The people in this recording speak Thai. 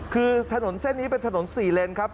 คือถนนเส้นนี้เป็นถนน๔เลนครับ